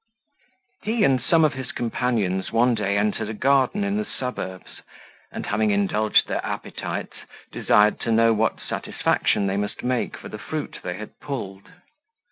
He and some of his companions one day entered a garden in the suburbs, and, having indulged their appetites, desired to know what satisfaction they must make for the fruit they had pulled.